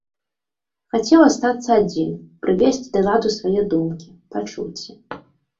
Хацеў астацца адзін, прывесці да ладу свае думкі, пачуцці.